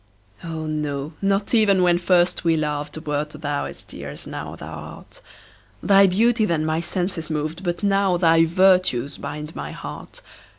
Oh, no not even when first we loved, Wert thou as dear as now thou art; Thy beauty then my senses moved, But now thy virtues bind my heart.